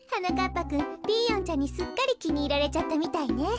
ぱくんピーヨンちゃんにすっかりきにいられちゃったみたいね。